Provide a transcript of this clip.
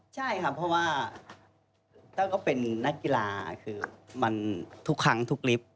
ใช่ครับเพราะว่าแต้วก็เป็นนักกีฬาคือมันทุกครั้งทุกลิฟต์